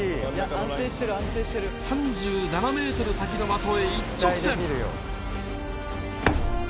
３７メートル先の的へ一直線。